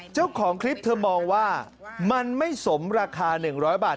เจ้าของคลิปเธอมองว่ามันไม่สมราคา๑๐๐บาท